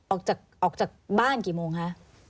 ออกจากบ้านกี่โมงคะ